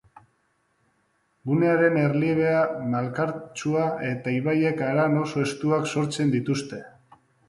Gunearen erliebea malkartsua eta ibaiek haran oso estuak sortzen dituzte.